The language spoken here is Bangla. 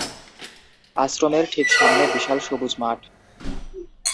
আশ্রমের ঠিক সামনে বিশাল সবুজ মাঠ।